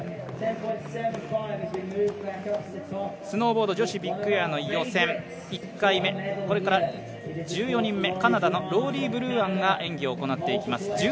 スノーボード女子ビッグエアの予選、１回目、これから１４人目カナダのローリー・ブルーアンが演技を行っていきます。